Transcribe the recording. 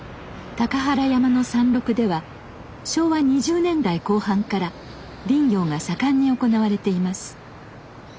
高原山の山麓では昭和２０年代後半から林業が盛んに行われています。